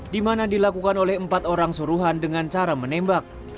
di mana dilakukan oleh empat orang suruhan dengan cara menembak